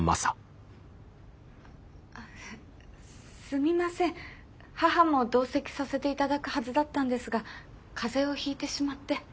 すみません母も同席させて頂くはずだったんですが風邪をひいてしまって。